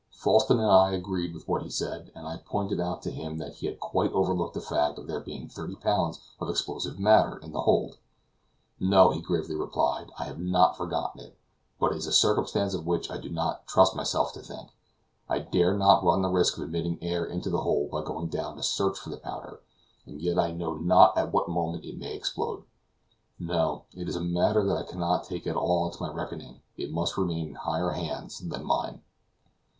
Falsten and I agreed with what he said, and I pointed out to him that he had quite overlooked the fact of there being thirty pounds of explosive matter in the hold. "No," he gravely replied, "I have not forgotten it, but it is a circumstance of which I do not trust myself to think. I dare not run the risk of admitting air into the hold by going down to search for the powder, and yet I know not at what moment it may explode. No; it is a matter that I cannot take at all into my reckoning; it must remain in higher hands than mine."